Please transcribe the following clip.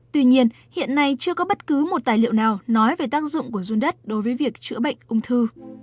tuy nhiên hiện nay chưa có bất cứ một tài liệu nào nói về tác dụng của run đất đối với việc chữa bệnh ung thư